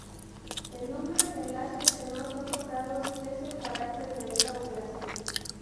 El número de enlaces que no son tocados es el carácter de esta operación.